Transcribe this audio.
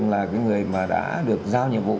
là cái người mà đã được giao nhiệm vụ